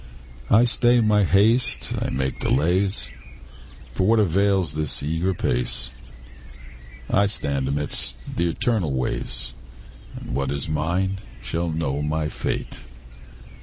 I stay my haste, I make delays, For what avails this eager pace? I stand amid th' eternal ways, And what is mine shall know my face.